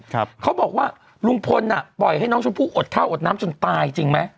เขาบอกว่าลุงพลอ่ะปล่อยให้น้องชมพู่อดข้าวอดน้ำจนตายจริงไหม